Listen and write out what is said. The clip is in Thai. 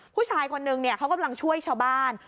ผู้ชายคนนึงเขากำลังช่วยชาวบ้าน